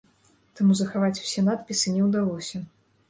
Таму захаваць усе надпісы не ўдалося.